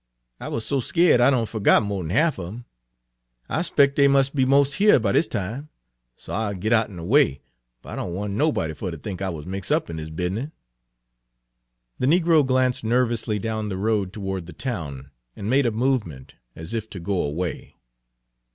I wuz so skeered I done furgot mo'd'n half un em. I spec' dey mus' be mos' here by dis time, so I'll git outen de way, fer I don' want nobody fer ter think I wuz mix' up in dis business." The negro glanced nervously down the road toward the town, and made a movement as if to go away.